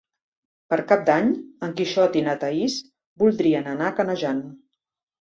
Per Cap d'Any en Quixot i na Thaís voldrien anar a Canejan.